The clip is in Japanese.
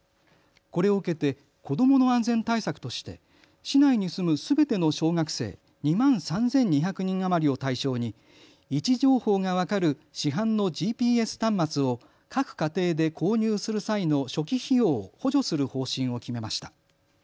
これを受けて子どもの安全対策として市内に住むすべての小学生２万３２００人余りを対象に位置情報が分かる市販のＧＰＳ端末を各家庭で購入する際の初期費用を補助する方針を決めました。